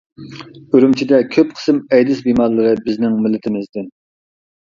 ئۈرۈمچىدە كۆپ قىسىم ئەيدىز بىمارلىرى بىزنىڭ مىللىتىمىزدىن.